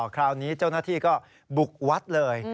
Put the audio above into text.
คราวนี้เจ้าหน้าที่ก็บุกวัดเลย